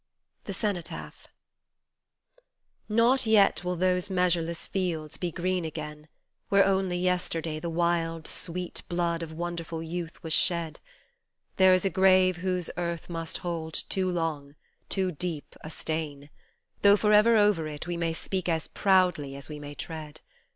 THE CENOTAPH NOT yet will those measureless fields be green again Where only yesterday the wild, sweet, blood of wonderful youth was shed ; There is a grave whose earth must hold too long, too deep a stain, Though for ever over it we may speak as proudly as we may tread.